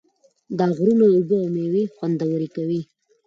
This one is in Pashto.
د غرونو اوبه میوې خوندورې کوي.